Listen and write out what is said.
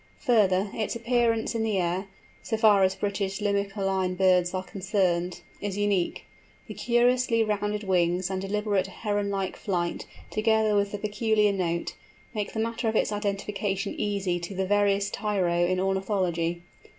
Further, its appearance in the air, so far as British Limicoline birds are concerned, is unique; the curiously rounded wings, and deliberate Heron like flight, together with the peculiar note, make the matter of its identification easy to the veriest tyro in ornithology.